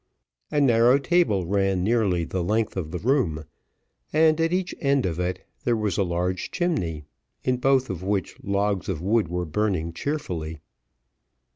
A narrow table ran nearly the length of the room, and, at each end of it, there was a large chimney, in both of which logs of wood were burning cheerfully.